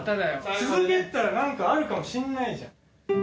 続けてたら、なんかあるかもしれないじゃん。